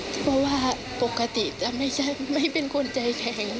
เพราะว่าปกติจะไม่เป็นคนใจแข็ง